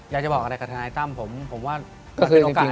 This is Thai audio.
อยากจะบอกอะไรกับทนายตั้มผมว่ามันเป็นโอกาสอันนี้นะ